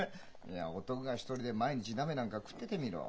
いや男が一人で毎日鍋なんか食っててみろ。